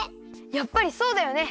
やっぱりそうだよね！